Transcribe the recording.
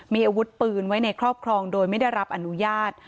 มีอาวุธปืนไว้ในครอบครองโดยไม่ได้รับอนุญาต